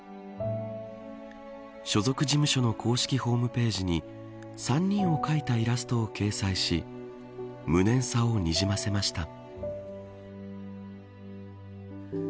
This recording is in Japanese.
所属事務所の公式ホームページに３人を描いたイラストを掲載し無念さをにじませました。